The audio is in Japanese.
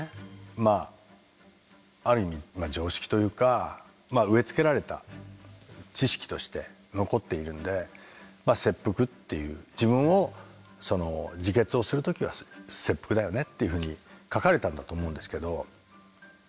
まあある意味常識というかまあ植え付けられた知識として残っているんで「切腹」っていう自分を自決をする時は切腹だよねっていうふうに書かれたんだと思うんですけど。